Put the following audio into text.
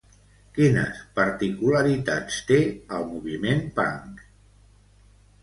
Quines particularitats té el moviment punk?